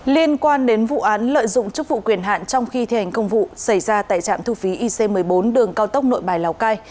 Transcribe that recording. liên quan đến vụ án lợi dụng chức vụ quyền hạn trong khi thi hành công vụ xảy ra tại trạm thu phí ic một mươi bốn đường cao tốc nội bài lào cai